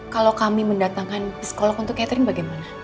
kalau kami mendatangkan psikolog untuk catering bagaimana